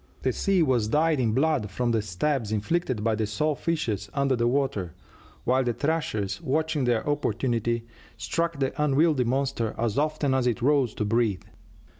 The sea was dyed in blood from the stabs inflicted by the saw fishes under the water, while the thrashers, watching their opportunity, struck at the unwieldy monster as often as it rose to breathe.